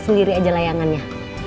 sendiri aja layangannya